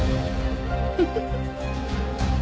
フフフッ。